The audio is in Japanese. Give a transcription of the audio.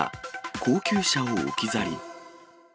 高級車を置き去り。